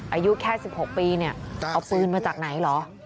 อายุแค่๑๖ปีเนี่ยเอาปืนมาจากไหนเหรอ